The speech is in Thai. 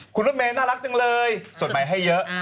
คุณรถเมย์น่ารักจังเลยสดใหม่ให้เยอะ